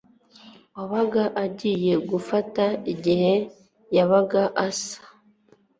uwabaga agiye gufata igihe yabaga asa